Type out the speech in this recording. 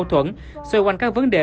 các mâu thuẫn xoay quanh các vấn đề